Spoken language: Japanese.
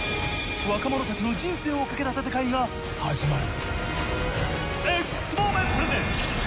若者達の人生を懸けた戦いが始まる。